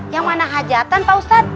yang mana hajatan pak ustadz